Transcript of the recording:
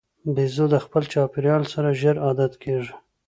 بیزو د خپل چاپېریال سره ژر عادت کېږي.